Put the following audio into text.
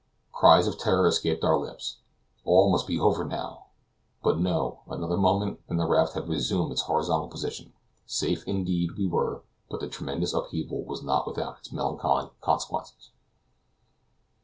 Cries of terror escaped our lips. All must be over now! But no; another moment, and the raft had resumed its horizontal position. Safe, indeed, we were, but the tremendous upheaval was not without its melancholy consequences.